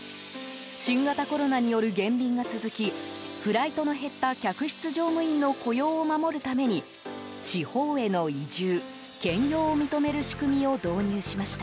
新型コロナによる減便が続きフライトの減った客室乗務員の雇用を守るために地方への移住、兼業を認める仕組みを導入しました。